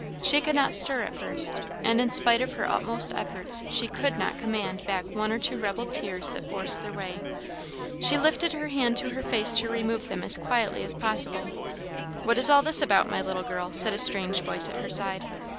She could not stir at first, and, in spite of her utmost efforts, she could not command back one or two rebel tears that forced their way; she lifted her hand to her face to remove them as quietly as possible. "What is all this about, my little girl?" said a strange voice at her side.